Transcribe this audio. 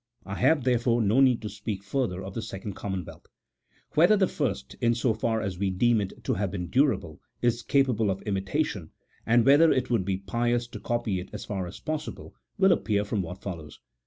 I have, therefore, no need to speak further of the second commonwealth. Whether the first, in so far as we deem it to have been durable, is capable of imitation, and whether it would be pious to copy it as far as possible, will appear from what follows.